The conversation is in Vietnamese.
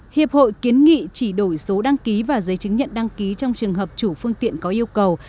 hiệp hội kiến nghị chỉ đổi số đăng ký và giấy chứng nhận đăng ký trong trường hợp chủ phương tiện có yêu cầu